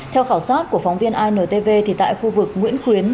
theo khảo sát của phóng viên intv thì tại khu vực nguyễn khuyến